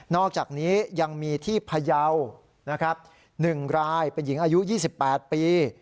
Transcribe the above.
นอกจากนี้ยังมีที่พยาวนะครับหนึ่งรายเป็นหญิงอายุยี่สิบแปดปี